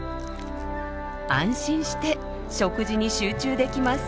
安心して食事に集中できます。